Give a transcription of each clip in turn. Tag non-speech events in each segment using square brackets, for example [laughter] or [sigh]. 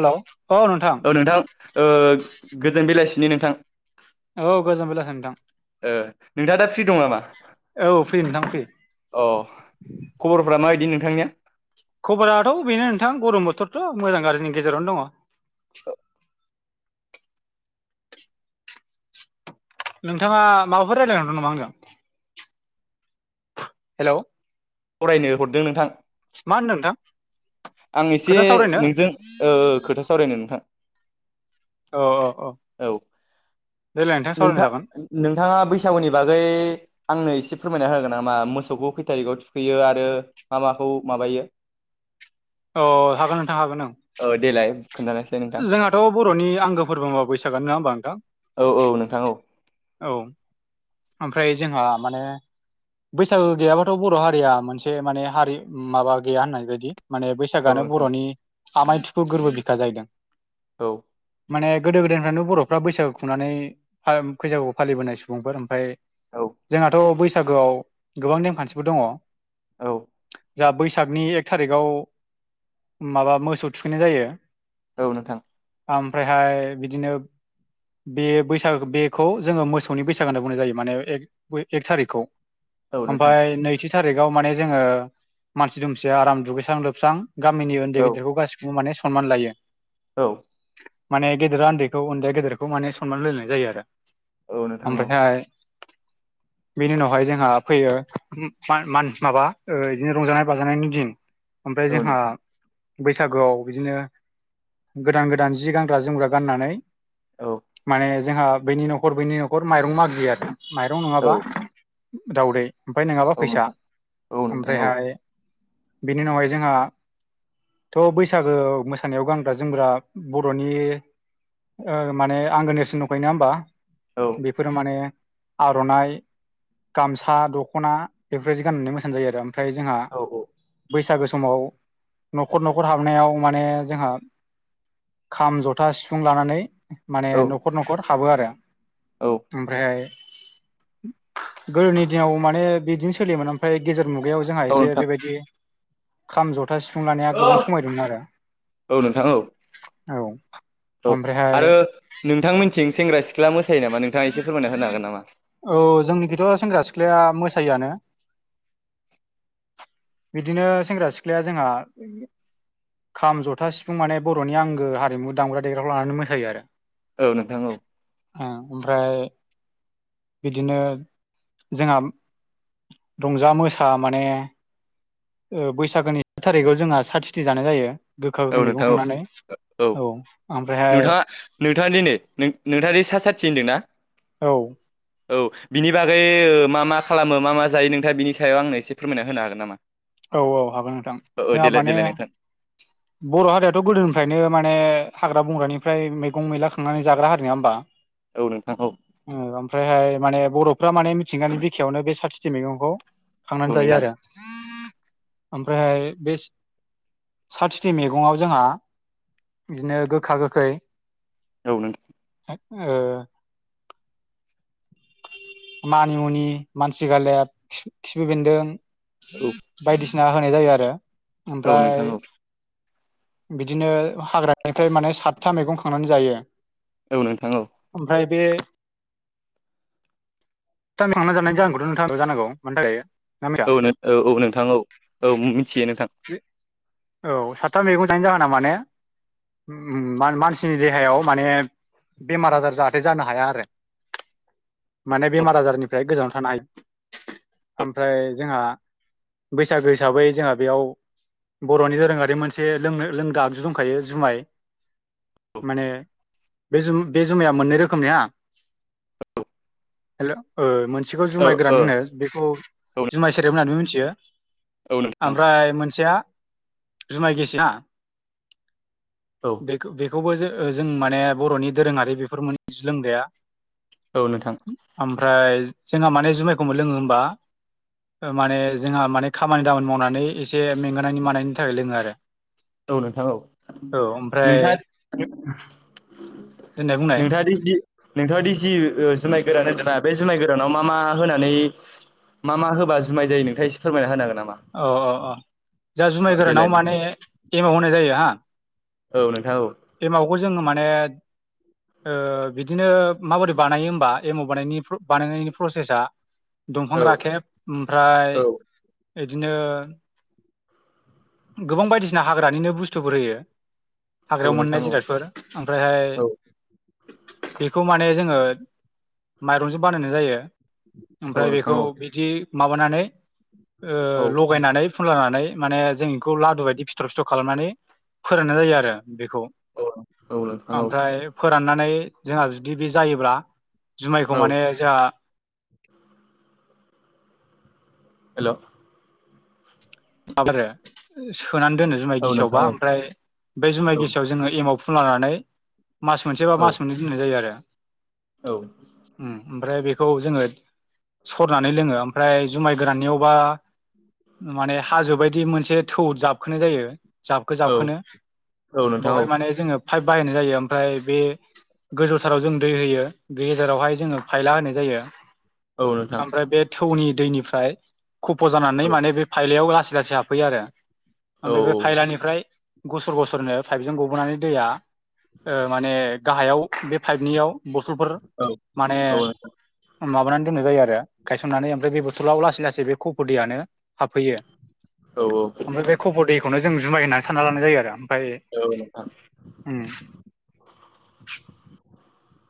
हेल' औ नोंथां ओ गोजोन बेलासिनि नोंथां। औ गोजोन बेलासिनि नोंथां। ओ नोंथाङा दा फ्रि दं नामा? औ फ्रि नोंथां फ्रि अ खबरफोरा माबायदि नोंथांनिया? खबराथ' बेनो नोंथां गरम बोथोरथ' मोजां गाज्रिनि गेजेरावनो दङ। नोंथाङा माबाफोर रायलाय नंदों नामा आं जों हेल' फरायनो हरदों नोंथां नोंथां आं एसे खोथा सावरायनो नोंजों ओ खोथा सावरायनो नोंथां अ अ अ औ नोंथां नोंथाङा बैसागुनि बागै आंनो एसे फैयो आरो मा माखौ माबायो अ औ देलाय खोन्थानायसै नोंथां जोंहाथ' बर'नि आंगो फोरबो होमबा बैसागोआनो नङा होमबा नोंथां औ औ नोंथां औ औ ओमफ्राय जोंहा माने बैसागु गैयाबाथ' बर' हारिया मोनसे माने हारि माबा गैया होननाय बायदि माने औ बैसागोआनो नोंथां बर'नि आमाय थुखुल गोरबो बिखा जाहैदों औ माने गोदो गोदायनिफ्रायनो बर'फ्रा बैसागु खुंनानै बैसागु फालिबोनाय सुबुंफोर ओमफ्राय औ जोंहाथ' बैसागोआव गोबां नेमखानथिफोर दङ औ जा बैसागुनि एक थारिखाव माबा मोसौ थुखैनाय जायो औ नोंथां ओमफ्रायहाय बिदिनो बे बैसागो बेखौ जोङो मोसौनि बैसागो होनना बुंनाय जायो माने एक थारिखखौ औ नोंथां ओमफ्राय नैथि थारिखाव माने जोङो मानसि दुमसिया आराम दुगैस्रां लोबस्रां गामिनि उनदै औ गेदेरखौ गासिखौबो माने सनमान लायो औ माने गेदेरा उन्दैखौ उन्दैया गेदेरखौ माने सनमान होलायनाय जायो आरो औ नोंथां औ ओमफ्रायहाय [inaudible] बेनि उनावहाय जोंहा फैयो माबा बिदिनो रंजानाय बाजानायनि दिन ओमफ्राय औ जोंहा नोंथां बैसागोआव बिदिनो गोदान गोदान जि गानग्रा जोमग्रा गाननानै औ माने जोंहा बैनि न'खर बैनि न'खर माइरं मागियो आरो माइरं औ नङाबा दावदै ओमफ्राय नङाबा औ फैसा नोंथां औ नोंथां औ ओमफ्रायहाय बेनि उनावहाय जोंहा थ' बैसागो मोसानायाव गान ग्रा जोमग्रा बर'नि माने आंगो नेरसोन दंखायो नङा होनबा औ बेफोरो माने आर'नाइ गामसा दख'ना बेफोरबायदि गाननानै मोसानाय जायो आरो ओमफ्राय जोंहा औ बैसागो समाव न'खर न'खर हाबनायाव माने जोंहा खाम जथा सिफुं लानानै माने औ न'खर न'खर हाबो आरो ओमफ्रायहाय गोदोनि दिनाव माने बिदिनो सोलियोमोन ओमफ्राय गेजेर मुगायाव जोंहा औ एसे नोंथां बेबायदि खाम जथ था सिफुं लानाया गोबां औ खमायदोंमोन आरो नोंथां औ औ औ ओमफ्रायहाय आरो नोंथांमोनथिं सेंग्रा सिख्ला मोसा औ जोंनिथिंथ' सेंग्रा सिख्लाफोरा मोसायोआनो [inaudible] बिदिनो सेंग्रा सिख्लाया जोंहा खाम जथा सिफुं माने बर'नि आंगो हारिमु दामग्रा देग्राखौ लानानै मोसायो आरो औ नोंथां औ ओमफ्राय बिदिनो जोंहा रंजा मोसा माने बैसागोनि एक थारिखआव जोंहा साथिथि जानाय जायो गोखा औ गोखाै मैगं नोंथां औ खांनानै औ आं नोंथाङा नोंथाङा दिनै नोंथाङा दि सा साथि होनदोंना औ औ बिनि ओ बागै मा मा खालामो मा मा जायो औ औ हागोन नोंथां औ औ जोंहा देलाय माने देलाय नोंथां बर' हारियाथ' गोदोनिफ्रायनो माने हाग्रा बंग्रानि फ्राय मैगं मैला खांनानै जाग्रा हारि नङा होमबा औ नोंथां औ ओ आमफ्रायहाय माने बर'फ्रा माने मिथिंगानि बिखायावनो बे साथिथि मैगंखौ औ खांनानै जायो नोंथां आरो ओमफ्रायहाय बे साथिथि मैगङाव जोंहा बिदिनो गोखा गोखै औ नोंथां ओ मानिमुनि मानसि गालदेब खिफि बेन्दों बायदिसिना होनाय जायो आरो औ नोंथां ओमफ्राय औ बिदिनो हाग्रानिफ्राय माने सातथा मैगं खांनानै जायो औ नोंथां औ ओमफ्राय बे [unintelligible] जानाय जाहोनखौथ' नोंथाङा [unintelligible] जानांगौ मानि थाखाय जायो औ औ औ नोंथां औ मिथियो नोंथां औ सातथा मैगं जायनायनि जाहोना माने मानसिनि देहायाव माने बेमार आजार जाहाथे जानो हाया आरो [inaudible] माने बेमार आजारनिफ्राय गोजानाव थानाय आमफ्राय जोंहा बैसागो हिसाबै जोंहा बेयाव बर'नि दोरोङारि मोनसे लोंनो लोंग्रा आगजु दंखायो जुमाय औ माने बे जु बे जुमाया मोननै रोखोमनि हा हेल' ओ मोन सेखौ औ जुमाय गोरान ओ ओ होनो बेखौ औ जुमाय सेरेब होननानै मिनथियो औ नोंथां आमफ्राय मोनसेया जुमाय गिसि ना औ बेखो बेखौबो जों जों माने बर'नि दोरोङारि बेफोर मोन [unintelligible] लोंग्राया औ नोंथां ओमफ्राय जोंहा माने जुमायखौबो लोङो होमबा माने जोंहा माने खामानि दामानि मावनानै एसे मेंगानायनि मानायनि थाखाय लोङो आरो औ नोंथां औ औ ओमफ्राय नोंथाङा [unintelligible] दोननाय बुंनाय नोंथाङादि जि नोंथाङादि जि ओ जुमाय गोरान होदों ना बे जुमाय गोरानाव मा मा होनानै मा मा होबा जुमाय जायो नोंथाङा एसे फोरमायना होनो हागोन नामा अ औ अ जोआ जुमाय गोरानाव देलाय नोंथां माने एमव होनाय जायो हा औ नोंथां औ एमावखौ जोङो माने [inaudible] ओ बिदिनो माबोरै बानायो होमबा एमाव बानानि बानायनायनि प्रसेसा दंफां औ राखेब ओमफ्राय औ इदिनो गोबां बायदिसिना हाग्रानिनो बुस्थुफोर होयो हाग्रायाव औ मोननाय नोंथां औ जिरादफोर आमफ्रायहाय बेखौ माने जोङो माइरंजों बानायनाय जायो औ ओमफ्राय नोंथां बेखौ औ बिदि माबानानै ओ औ लगायनानै फुनलानानै माने जों इखौ लादु बायदि फिथर फिथर खालामनानै फोराननाय जायो आरो बेखौ औ औ नोंथां औ आमफ्राय फोराननानै जोंहा जुदि बे जायोब्ला जुमायखौ औ माने जोंहा हेलौ [unintelligible] सोनानै दोनो जुमाय औ नोंथां गिसिआवबा औ ओमफ्राय बे जुमाय औ गिसिआव जोङो एमाव फुन लानानै मास मोनसे बा औ मास मोननै दोननाय जायो आरो औ ओमफ्राय बे [unintelligible] जोङो सरनानै लोङो ओमफ्राय जुमाय गोराननियावबा माने हाजो बायदि मोनसे थौ जाबखोनाय जायो जाबखो औ जाबखोनो औ नोंथां औ बवहाय माने जोङो फाइभ बाहायनाय जायो ओमफ्राय बे गोजौथाराव जों दै होयो गेजेरावहाय जोङो फायला होनाय जायो औ नोंथां ओमफ्राय बे थौनि दैनिफ्राय खफ जानानै औ माने बे फायलायाव लासै लासै हाबफैयो आरो औ ओमफ्राय बे फायलानिफ्राय गसर गसरनो पाइपजों गबोनानै दैया माने गाहायाव बे पाइपनियाव बथलफोर माने माबानानै दोननाय जायो आरो गायसननानै ओमफ्राय बे बोथलाव लासै लासै बे खफ दैयानो हाबफैयो औ ओमफ्राय बे खबर दैखौनो जों जुमाय होननानै सानना लानाय जायो आरो ओमफ्राय औ नोंथां उम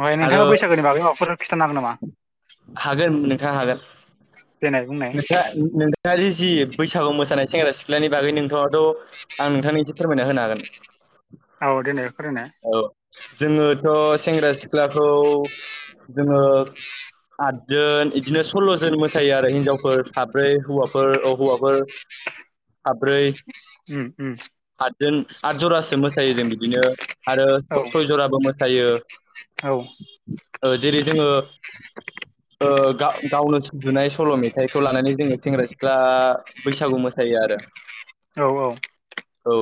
ओमफ्राय आरो नोंथाङा बैसागोनि बागै माबाफोर खिथानो हागोन नामा हागोन नोंथा हागोन देनाय बुंनाय नोंथां नोंथाङा जि बैसागु मोसानाय सानायानाय सेंग्रा सिख्लानि बागै नोंथाङाथ आं नोंथांनि एसे फोरमायना होनो हागोन औ दोनै फोरमायनाय औ जोङोथ सेंग्रा सिख्लाखौ जोङो आदजोन बिदिनो सल्लजोन मोसायो आरो हिनजाव साब्रै हौवाफोर हौवाफोर साब्रै उम उम आतजोन आथ जरासो मोसायो जों बिदिनो आरो औ सय जराबो मोसायो औ जेरै जोङो गावनो सुजुनाय सल' मेथाइ खौ लानानै जोङो सेंग्रा सिख्ला बैसागु मोसायो आरो औ औ औ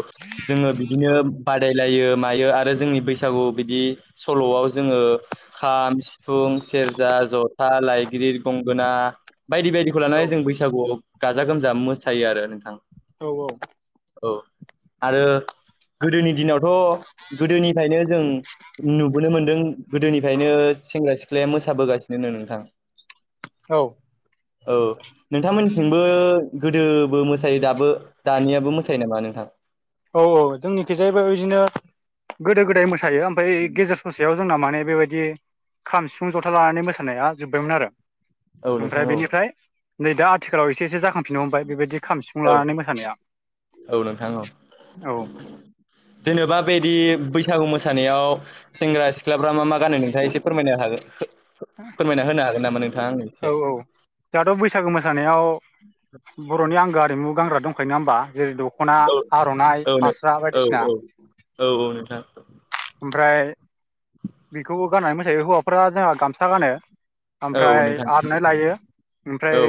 जोङो बिदिनो बादाय बिलायो मायो आरो जोंनि बैसागु बिदि सल'वाव जोङो खाम सिफुं सेरजा, जथा, लइग्रिद, गंगोना बायदि बायदि खौ लानानै जों बैसागुआव गाजा गोमजा मोसायो आरो नोंथां औ औ औ आरो गोदोनि दिनावथ गोदोनिफ्रायनो जों नुबोनो मोनदों गोदोनिफ्रायनो सेंग्रा सिख्लाया मोसाबोगासिनोनो नोंथां औ औ नोंथांमोननिथिंबो गोदोबो मोसायो दाबो दानियाबो मोसायो नामा नोंथां औ औ जोंनिखि जाहैबाय बिदिनो गोदो गोदाय मोसायो ओमफाय गेजेर ससेयाव जोंना माने बेबायदि खाम सिफुं जथा लानानै मोसानाया जोबबायमोन आरो औ नोंथां ओमफ्राय औ बेनिफ्राय नै दा आथिखालाव एसे एसे जाखांफिननो हमबाय बेबायदि खाम सिफुं औ लानानै मोसानाया औ नोंथां औ औ जेनेबा बेदि बैसागु मोसानायाव सेंग्रा सिख्लाफ्रा मा मा गानो नोंथाङा एसे फोरमायनो हागोन फोरमायना होनो हागोन नामा नोंथाङा आंनो औ एसे औ दाथ बैसागु मोसानायाव बर'नि आंगो आरिमु गानग्रा दंखायो नाङा होमबा जेरै दखना औ आर'नाइ औ नों फास्रा औ बायदिसिना औ औ नोंथां ओमफ्राय बेखौबो गाननानै मोसायो हौवाफोरा जोंहा गामसा गानो औ ओमफ्राय नोंथां आरननाइ लायो ओमफ्राय औ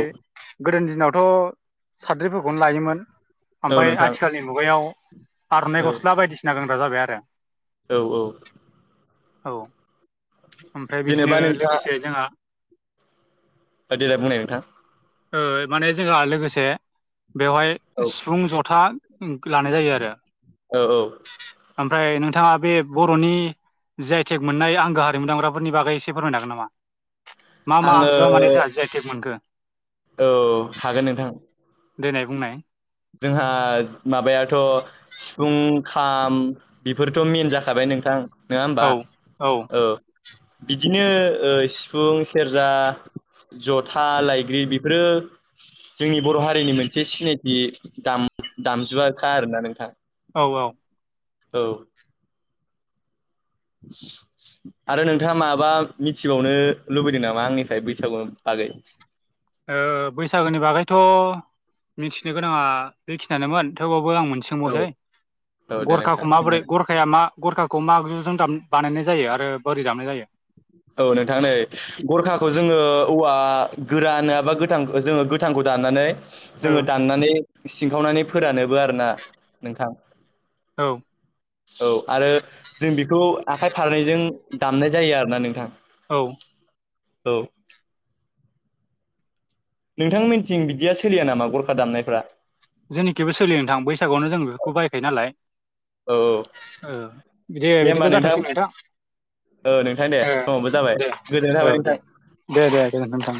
गोदोनि दिनावथ साद्रिफोरखौनो लायोमोन औ ओमफ्राय नोंथां आथिखालनि मुगायाव आरननाइ औ गस्ला बायदिसिना गानग्रा जाबाय आरो औ औ औ ओमफ्राय जेनेबा बिदिनो नोंथाङा लोगोसे जोंहा देलाय बुंनाय नोंथां माने जोंहा लोगोसे बेवहाय औ सिफुं जथा लानाय जायो आरो औ औ ओमफ्राय नोंथाङा बे बर'नि जि आइ तेग मोननाय आंगो हारिमु दामग्राफोरनि बागै एसे फोरमायनो हागोन नामा मा मा आङो आगजुआ माने जोंहा जि आइ तेग मोनखो औ हागोन नोंथां दोननाय बुंनाय जोंहा माबायाथ' सिफुं खाम बेफोरथ' मेन जाखाबाय नोंथां नङा होमबा औ औ बिदिनो सिफुं सेरजा जथा लायग्रि बेफोरो जोंनि बर' हारिनि मोनसे सिनायथि दामजुवखा आरोना नोंथां। औ औ औ [inaudible] आरो नोंथाङा माबा मिथिबावनो लुबैदों नामा आंनिफ्राय बैसागु बागै बैसागोनि बागैथ' मिथिनो गोनाङा बेखिनियानो थेवबो आं मोन औ सोंबावसै औ दे नोंथां गरखाखौ सोंनो माबोरै गरखाया मा गरखाखौ मा आजुजों दाम बानायनाय जायो आरो बोरै दामनाय जायो औ नोंथां नै गरखाखौ जोङो औवा गोरा नङाबा गोथां जोङो गोथांखौ दाननानै औ जोङो दाननानै सिंखावनानै फोरानोबो आरोना नोंथां। औ औ आरो जों बेखौ आखाइ फारनैजों दामनाय जायो आरो ना नोंथां औ औ नोंथां मिन्थिं बिदिया सोलिया नामा गरखा दामनायफ्रा जेनिखिबो सोलियो नोंथां बैसागुआवनो जों बेफोरखौ बायखायो नालाय औ औ बिदि दे होमबा बिदिबो जाथोंसै नोंथां। ओ नोंथां दे समावबो जाबाय दे गोजोननाय औ थाबाय नोंथां दे दे दे नोंथां।